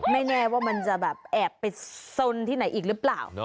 ไม่แน่ว่ามันจะแบบแอบไปสนที่ไหนอีกหรือเปล่า